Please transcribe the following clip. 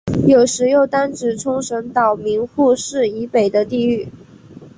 有时又单指冲绳岛名护市以北的地域。